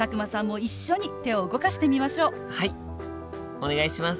お願いします。